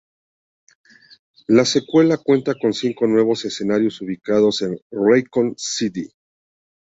La secuela cuenta con cinco nuevos escenarios ubicados en Raccoon City.